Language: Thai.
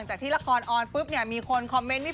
จริงหรือถ้าเขารู้ตัวเขาก็จะขอโทษ